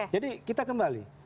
jadi kita kembali